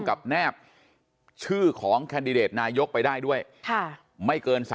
กับแนบชื่อของแคร์นดิเดรตนายกไปได้ด้วยแค่ไม่เกิน๓